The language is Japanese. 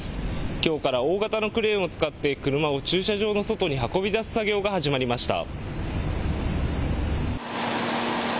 きょうから大型のクレーンを使って車を駐車場の外に運び出す作業が始まりました。